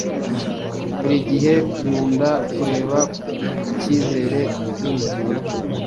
buri gihe nkunda kureba ku cyizere cy'ubuzima